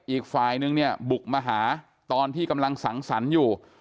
อีกฝ่ายนึงเนี่ยบุกมาหาตอนที่กำลังสังสรรค์อยู่